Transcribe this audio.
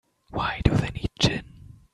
Why do they need gin?